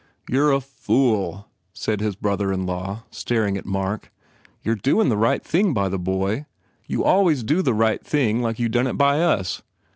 "You re a fool," said his brother in law, staring at Mark, "You re doin the right thing by the boy. You always do the right thing like you done it by us.